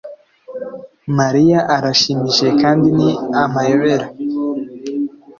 Mariya arashimishije kandi ni amayobera